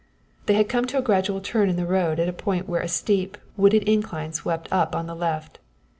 They had come to a gradual turn in the road at a point where a steep, wooded incline swept up on the left.